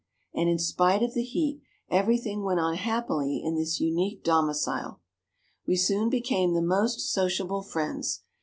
And in spite of the heat everything went on happily in this unique domicile. We soon became the most sociable friends.